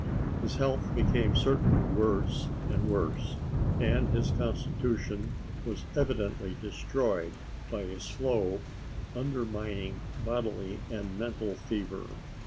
His health became certainly worse and worse, and his constitution was evidently destroyed by a slow, undermining bodily and mental fever.